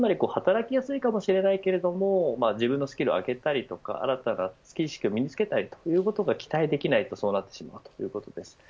つまり働きやすいかもしれないけれども自分のスキルを上げたりとか新たな知識を身に付けたいということが期待できないとそうなってしまいます。